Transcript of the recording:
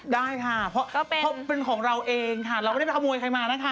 ได้ค่ะเพราะเป็นของเราเองค่ะเราไม่ได้ไปขโมยใครมานะคะ